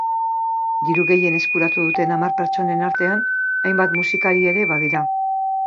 Diru gehien eskuratu duten hamar pertsonen artean, hainbat musikari ere badira.